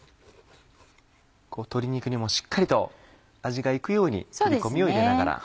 鶏肉にもしっかりと味が行くように切り込みを入れながら。